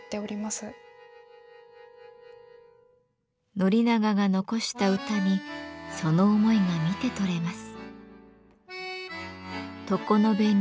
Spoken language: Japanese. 宣長が残した歌にその思いが見て取れます。